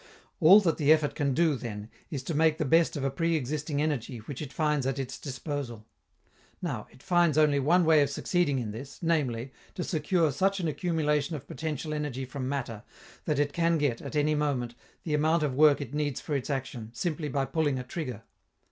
All that the effort can do, then, is to make the best of a pre existing energy which it finds at its disposal. Now, it finds only one way of succeeding in this, namely, to secure such an accumulation of potential energy from matter, that it can get, at any moment, the amount of work it needs for its action, simply by pulling a trigger.